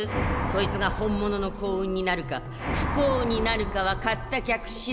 そいつが本物の幸運になるか不幸になるかは買った客しだい。